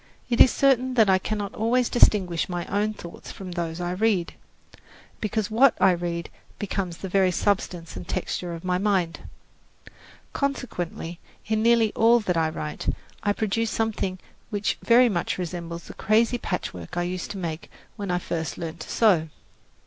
It is certain that I cannot always distinguish my own thoughts from those I read, because what I read becomes the very substance and texture of my mind. Consequently, in nearly all that I write, I produce something which very much resembles the crazy patchwork I used to make when I first learned to sew.